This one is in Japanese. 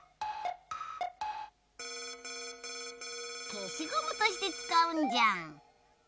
けしゴムとしてつかうんじゃん。